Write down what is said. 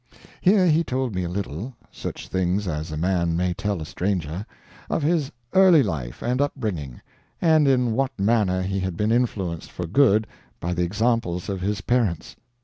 Here he told me a little—such things as a man may tell a stranger—of his early life and upbringing, and in what manner he had been influenced for good by the example of his parents.